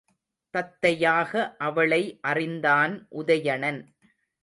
தத்தையாக அவளை அறிந்தான் உதயணன்.